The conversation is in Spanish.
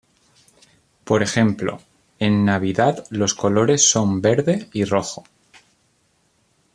Por ejemplo, en Navidad los colores son verde y rojo.